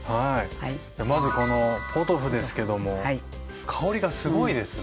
じゃあまずこのポトフですけども香りがすごいですね。